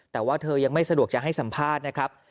แต่ว่าเธอยังไม่สะดวกจะให้สัมภาษณ์นะครับ